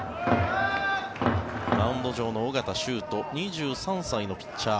マウンド上の尾形崇斗、２３歳のピッチャー。